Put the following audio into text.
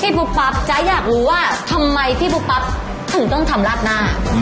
ปุ๊บปั๊บจ๊ะอยากรู้ว่าทำไมพี่ปูปั๊บถึงต้องทำราดหน้า